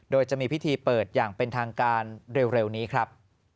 โดยจะมีพิธีเปิดอย่างเป็นทางการเร็วนี้ครับ